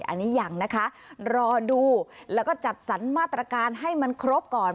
อันนี้ยังนะคะรอดูแล้วก็จัดสรรมาตรการให้มันครบก่อน